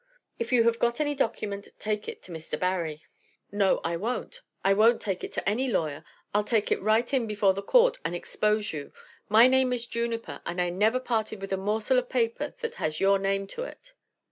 "If you have got any document, take it to Mr. Barry." "No, I won't; I won't take it to any lawyer. I'll take it right in before the Court, and expose you. My name is Juniper, and I've never parted with a morsel of paper that has your name to it."